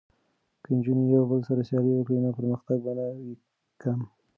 که نجونې یو بل سره سیالي وکړي نو پرمختګ به نه وي کم.